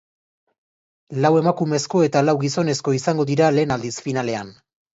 Lau emakumezko eta lau gizonezko izango dira lehen aldiz finalean.